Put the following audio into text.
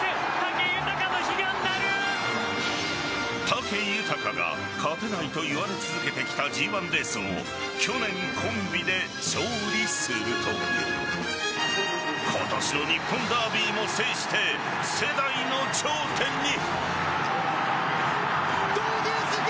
武豊が勝てないと言われ続けてきたＧ１レースを去年コンビで勝利すると今年の日本ダービーも制して世代の頂点に。